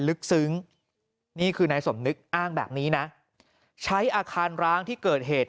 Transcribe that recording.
ลึกซึ้งนี่คือนายสมนึกอ้างแบบนี้นะใช้อาคารร้างที่เกิดเหตุ